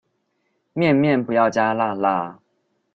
麵麵不要加辣辣